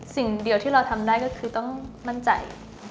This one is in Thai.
สิ่งเดียวที่เราทำได้ก็คือต้องมั่นใจ